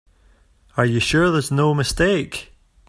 Are you sure there's no mistake?